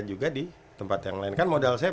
juga di tempat yang lain kan modal saya